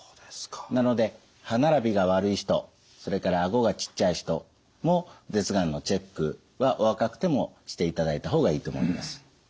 なので歯並びが悪い人それから顎がちっちゃい人も舌がんのチェックはお若くてもしていただいた方がいいと思います。